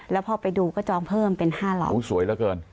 แล้วพอไปดูก็จองเพิ่มเป็น๕๐๐สวยเหลือเกิน